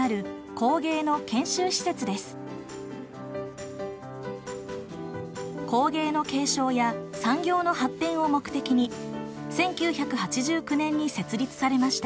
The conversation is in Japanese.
工芸の継承や産業の発展を目的に１９８９年に設立されました。